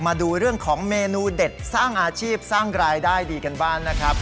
มาดูเรื่องของเมนูเด็ดสร้างอาชีพสร้างรายได้ดีกันบ้างนะครับ